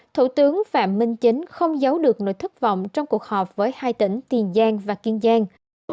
thủ tướng phạm minh chính không giấu được nỗi thất vọng trong cuộc họp với hai tỉnh tiền giang và kiên giang